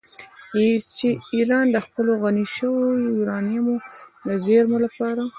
چې ایران د خپلو غني شویو یورانیمو د زیرمو لپاره